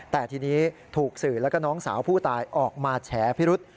แต่ทีนี้ถูกสื่อแล้วก็น้องสาวผู้ตายออกมาแฉพิรุษ